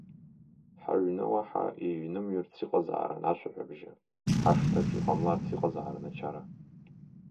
Ҳаҩны уаҳа иҩнымҩырц иҟазаарын ашәаҳәабжьы, ҳашҭаҿ иҟамларц иҟазаарын ачара.